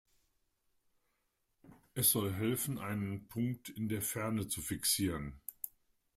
Es soll helfen, einen Punkt in der Ferne zu fixieren.